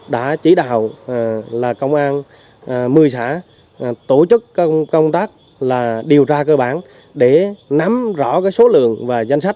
đã chỉ đạo là công an một mươi xã tổ chức công tác là điều tra cơ bản để nắm rõ số lượng và danh sách